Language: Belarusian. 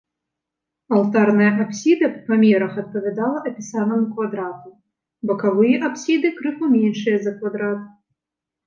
Алтарная апсіда па памерах адпавядала апісанаму квадрату, бакавыя апсіды крыху меншыя за квадрат.